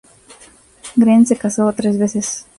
Green se casó tres veces.